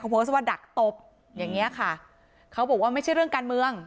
โพสต์ว่าดักตบอย่างเงี้ยค่ะเขาบอกว่าไม่ใช่เรื่องการเมือง